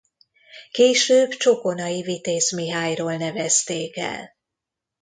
Később Csokonai Vitéz Mihályról nevezték el.